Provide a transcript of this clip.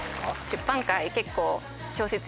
出版界結構。